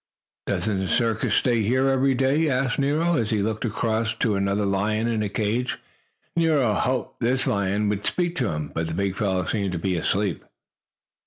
"Doesn't the circus stay here every day?" asked Nero, as he looked across to another lion in a cage. Nero hoped this lion would speak to him, but the big fellow seemed to be asleep.